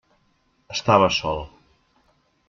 Estava sol.